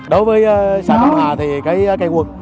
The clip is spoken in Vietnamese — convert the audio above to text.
đối với xã cẩm hà thì cây quật